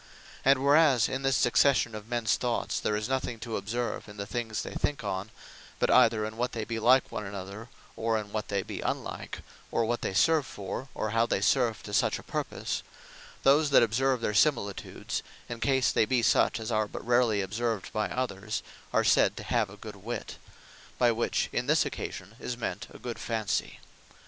And whereas in his succession of mens thoughts, there is nothing to observe in the things they think on, but either in what they be Like One Another, or in what they be Unlike, or What They Serve For, or How They Serve To Such A Purpose; Those that observe their similitudes, in case they be such as are but rarely observed by others, are sayd to have a Good Wit; by which, in this occasion, is meant a Good Fancy.